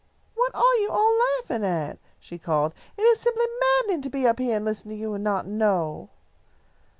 What are you all laughing at?" she called. "It is simply maddening to be up here and listen to you and not know."